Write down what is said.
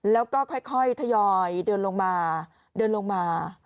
แล้วก็ค่อยทยอยเดินลงมาเดินลงมา